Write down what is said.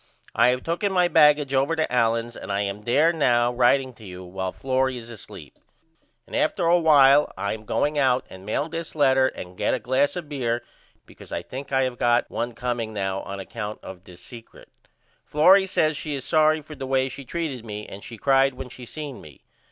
I have tooken my baggage over to Allen's and I am there now writeing to you while Florrie is asleep. And after a while I am going out and mail this letter and get a glass of beer because I think I have got 1 comeing now on account of this secret. Florrie says she is sorry for the way she treated me and she cried when she seen me.